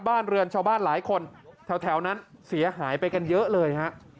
บ้านเรือนชาวบ้านหลายคนแถวนั้นเสียหายไปกันเยอะเลยฮะ